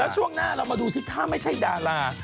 ช่วงหน้าเรามาดูสิถ้าไม่ใช่ดารา